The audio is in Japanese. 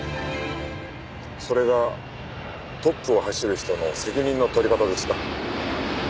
それがトップを走る人の責任の取り方ですか？